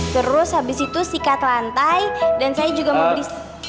terus habis itu sikat lantai dan saya juga mau beli